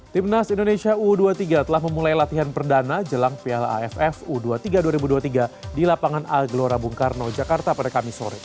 timnas indonesia u dua puluh tiga telah memulai latihan perdana jelang plaff u dua puluh tiga dua ribu dua puluh tiga di lapangan aglora bungkarno jakarta pada kamis sore